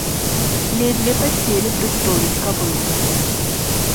Ледзьве паспелі прыстроіць кабылу.